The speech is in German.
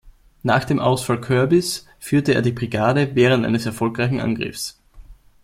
Nach dem Ausfall Kirbys führte er die Brigade während eines erfolgreichen Angriffs.